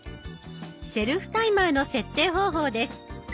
セルフタイマーの設定方法です。